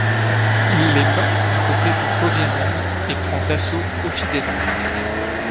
Il les bat du côté de Bovianum et prend d'assaut Aufidena.